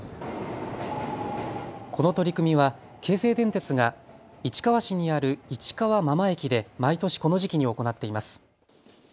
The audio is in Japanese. この取り組みは京成電鉄が市川市にある市川真間駅で毎年この時期に行っています。